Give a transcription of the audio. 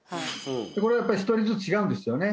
これはやっぱり一人ずつ違うんですよね